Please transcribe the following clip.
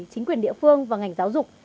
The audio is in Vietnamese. chính quyền địa phương và ngành giáo dục